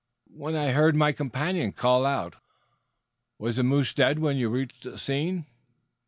"When I heard my companion call out." "Was the moose dead when you reached the scene?"